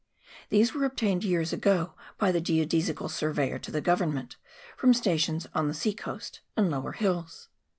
These were obtained years ago by the Geodesical Surveyor to the Government, from stations on the sea coast and lower hills.